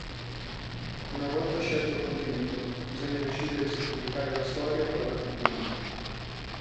Una volta scelto il contenuto, bisogna decidere se pubblicare la storia o farla continuare.